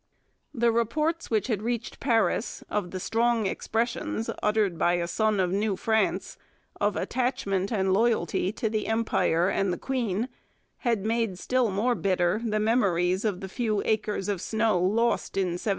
The reports which had reached Paris of the strong expressions, uttered by a son of New France, of attachment and loyalty to the Empire and the Queen had made still more bitter the memories of the 'few acres of snow' lost in 1763.